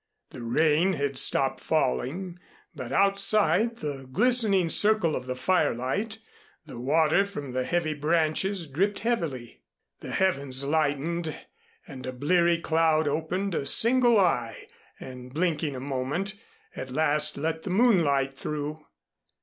The rain had stopped falling, but outside the glistening circle of the firelight the water from the heavy branches dripped heavily. The heavens lightened and a bleary cloud opened a single eye and, blinking a moment, at last let the moonlight through.